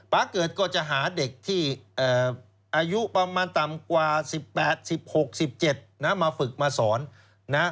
เกิดก็จะหาเด็กที่อายุประมาณต่ำกว่า๑๘๑๖๑๗นะมาฝึกมาสอนนะ